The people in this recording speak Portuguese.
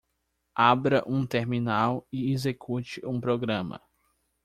Abra um terminal e execute um programa.